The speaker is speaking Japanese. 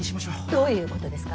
どういうことですか？